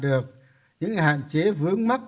được những hạn chế vướng mắc